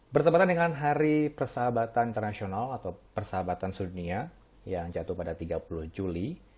bertempatan dengan hari persahabatan internasional atau persahabatan sedunia yang jatuh pada tiga puluh juli